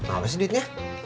apa sih dietnya